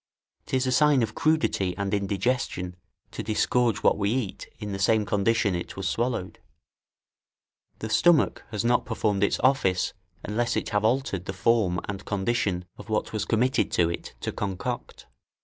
'Tis a sign of crudity and indigestion to disgorge what we eat in the same condition it was swallowed; the stomach has not performed its office unless it have altered the form and condition of what was committed to it to concoct.